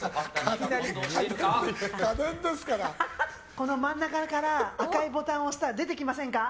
この真ん中から赤いボタンを押したら出てきませんか？